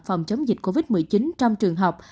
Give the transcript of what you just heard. phòng chống dịch covid một mươi chín trong trường học